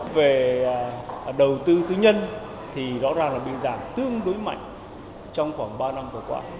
về đầu tư tư nhân thì rõ ràng là bị giảm tương đối mạnh trong khoảng ba năm vừa qua